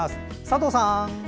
佐藤さん。